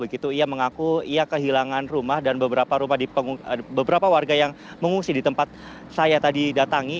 begitu ia mengaku ia kehilangan rumah dan beberapa warga yang mengungsi di tempat saya tadi datangi